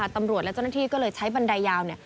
ตำรวจและเจ้าหน้าที่ก็เลยใช้บันไดยาว